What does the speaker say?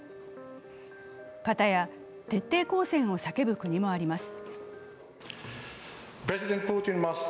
片や、徹底抗戦を叫ぶ国もあります